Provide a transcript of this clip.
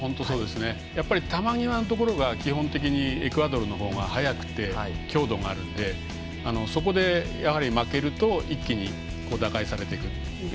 やっぱり球際のところが基本的にエクアドルの方が速くて強度があるのでそこで負けると一気に打開されていく。